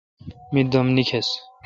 می دم نکیس۔